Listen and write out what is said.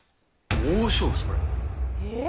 大勝負っす、これ。